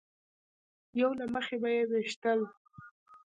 یو له مخې به یې ویشتل.